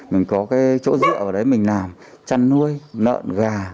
mình có cái chỗ dựa ở đấy mình làm chăn nuôi nợn gà